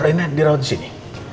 rina dirawat disini